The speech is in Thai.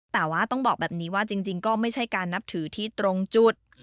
แต่ว่าต้องบอกแบบนี้ว่าจริงก็ไม่ใช่การนับถือที่ตรงจุด